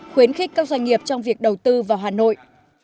khuyến khích các doanh nghiệp trong việc đầu tư vào hà nội